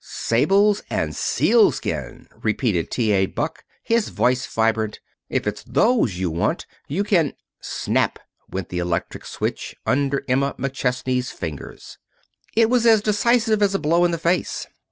"Sables and sealskin," repeated T. A. Buck, his voice vibrant. "If it's those you want, you can " Snap! went the electric switch under Emma McChesney's fingers. It was as decisive as a blow in the face.